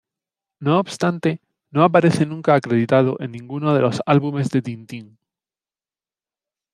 No obstante, no aparece nunca acreditado en ninguno de los álbumes de Tintín.